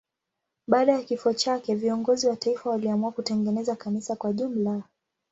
Baada ya kifo chake viongozi wa taifa waliamua kutengeneza kanisa kwa jumla.